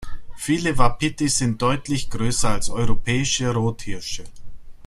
Viele Wapitis sind deutlich größer als europäische Rothirsche.